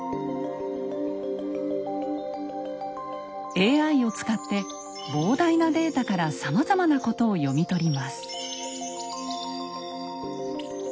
ＡＩを使って膨大なデータからさまざまなことを読み取ります。